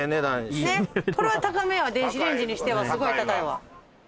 これは高め電子レンジにしてはすごい高いわ。